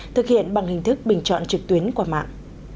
thực hiện bằng hình thức bình chọn trực tuyến qua mạng